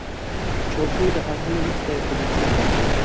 چوکۍ د هټۍ مخې ته ایښودل کېږي.